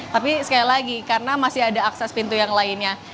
tapi sekali lagi karena masih ada akses pintu yang lainnya